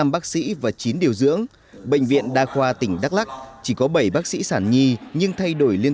một mươi bác sĩ và chín điều dưỡng bệnh viện đa khoa tỉnh đắk lắc chỉ có bảy bác sĩ sản nhi nhưng thay đổi liên